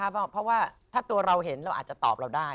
เพราะว่าถ้าตัวเราเห็นเราอาจจะตอบเราได้